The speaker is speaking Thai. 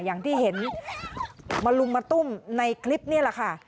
อย่างที่เห็นมาลุมมาตุ้มในคลิปนี่แหละค่ะ